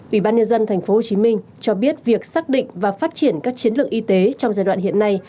ủy ban nhân dân tp hcm cho biết việc xác định và phát triển các chiến lược y tế trong giai đoạn hiện nay